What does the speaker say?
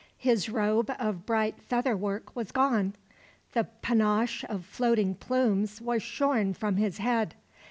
His robe of bright feather work was gone. The panache of floating plumes was shorn from his head.